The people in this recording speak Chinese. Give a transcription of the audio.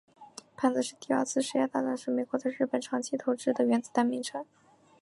胖子是第二次世界大战时美国在日本长崎投掷的原子弹的名称。